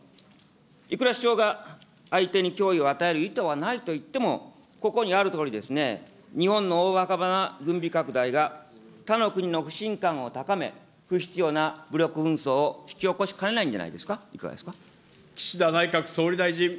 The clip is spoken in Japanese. いくらしゅちょうが、相手に脅威を与える意図はないと言っても、ここにあるとおりですね、日本の大幅な軍備拡大が他の国の不信感を高め、不必要な武力紛争を引き起こしかねないんじゃないですか、いかがですか。